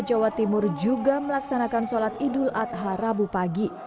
jawa timur juga melaksanakan sholat idul adha rabu pagi